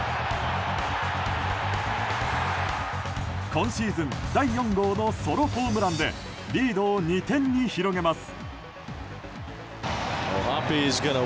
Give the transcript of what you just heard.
今シーズン第４号のソロホームランでリードを２点に広げます。